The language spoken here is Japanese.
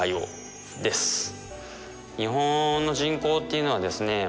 日本の人口っていうのはですね